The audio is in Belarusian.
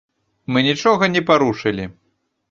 Мы нічога не парушылі.